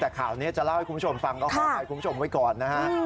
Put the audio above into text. แต่ข่าวนี้จะเล่าให้คุณผู้ชมฟัง